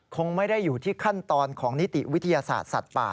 คงไม่ได้อยู่ที่ขั้นตอนของนิติวิทยาศาสตร์สัตว์ป่า